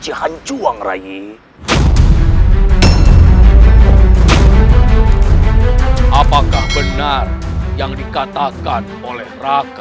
sehingga aku berhasil dilumpuhkan oleh mereka